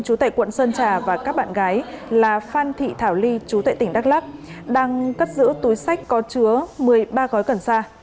chú tại quận sơn trà và các bạn gái là phan thị thảo ly chú tệ tỉnh đắk lắc đang cất giữ túi sách có chứa một mươi ba gói cần sa